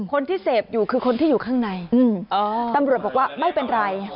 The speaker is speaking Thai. คนที่เสพอยู่คือคนที่อยู่ข้างในตำรวจบอกว่าไม่เป็นไร